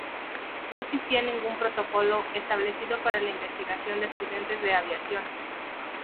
No existía ningún protocolo establecido para la investigación de accidentes de aviación.